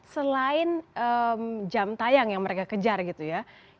selain jam tayang yang mereka kejar gitu ya